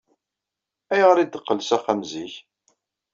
Ayɣer ay d-teqqel s axxam zik?